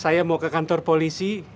saya mau ke kantor polisi